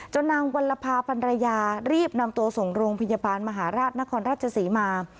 นางวัลภาพันรยารีบนำตัวส่งโรงพยาบาลมหาราชนครราชศรีมา